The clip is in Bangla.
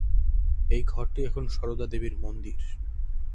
এই ঘরটি এখন সারদা দেবীর মন্দির।